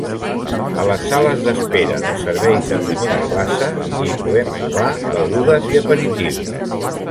A les sales d"espera dels serveis de primera classe hi podem trobar begudes i aperitius.